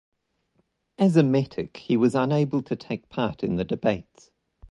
As a metic, he was unable to take part in the debates.